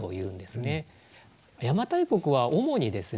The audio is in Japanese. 邪馬台国は主にですね